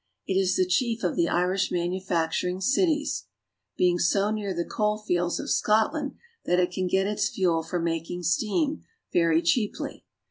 It is the chief of the Irish manufacturing cities, being so near the coal fields of Scot land that it can get its fuel for making steam very cheaply.